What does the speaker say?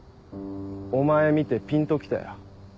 お前見てピンと来たよ。